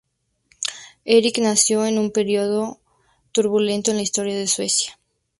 Erik nació en un periodo turbulento en la historia de Suecia.